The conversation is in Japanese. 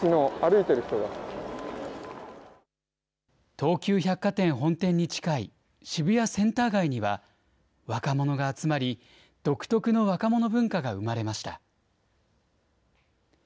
東急百貨店本店に近い渋谷センター街には、若者が集まり、独特の若者文化が生まれました。